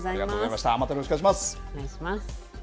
またよろしくお願いします。